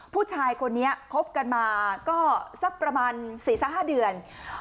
ผู้ชายคนนี้คบกันมาก็สักประมาณ๔๕เดือน